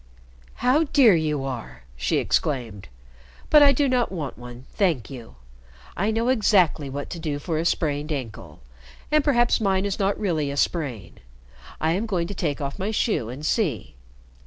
"How dear you are!" she exclaimed. "But I do not want one, thank you. I know exactly what to do for a sprained ankle. And perhaps mine is not really a sprain. I am going to take off my shoe and see."